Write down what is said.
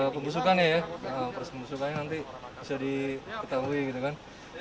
pembusukan ya perusahaan pembusukannya nanti bisa diketahui gitu kan